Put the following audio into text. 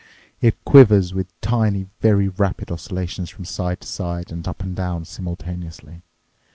It quivers with tiny, very rapid oscillations from side to side and up and down simultaneously.